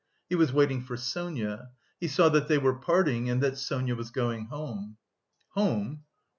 He was waiting for Sonia; he saw that they were parting, and that Sonia was going home. "Home?